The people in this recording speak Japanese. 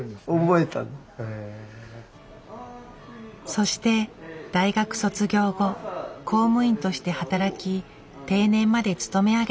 そして大学卒業後公務員として働き定年まで勤め上げたそう。